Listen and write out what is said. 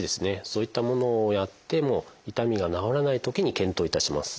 そういったものをやっても痛みが治らないときに検討いたします。